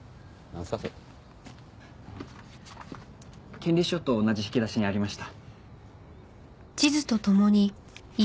権利書と同じ引き出しにありました。